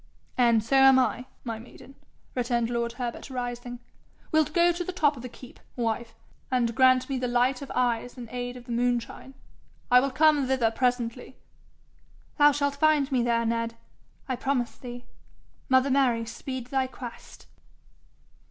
'And so am I, my maiden,' returned lord Herbert, rising. 'Wilt go to the top of the keep, wife, and grant me the light of eyes in aid of the moonshine? I will come thither presently.' 'Thou shalt find me there, Ned, I promise thee. Mother Mary speed thy quest?'